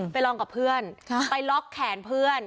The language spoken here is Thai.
ลองกับเพื่อนไปล็อกแขนเพื่อน